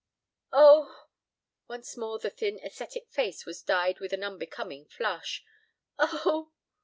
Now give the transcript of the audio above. "Oh!" Once more the thin ascetic face was dyed with an unbecoming flush. "Oh!"